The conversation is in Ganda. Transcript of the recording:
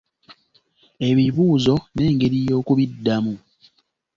Ebibuuzo n'engeri y'okubiddamu.